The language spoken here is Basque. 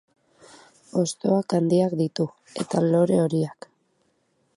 Hostoak handiak ditu, eta lore horiak.